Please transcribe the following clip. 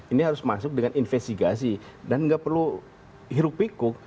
ini harus masuk dengan investigasi dan nggak perlu hirup pikuk